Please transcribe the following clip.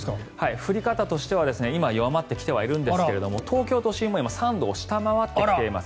降り方としては今、弱まってきているんですが東京都心も３度を下回ってきています。